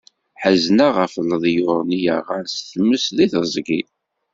Ḥezneɣ ɣef leḍyur-nni yerɣan s tmes deg teẓgi.